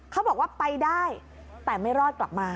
เขาบอกว่าไปได้แต่ไม่รอดกลับมา